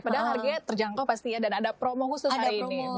padahal harganya terjangkau pasti ya dan ada promo khusus hari ini